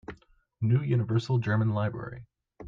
New Universal German Library.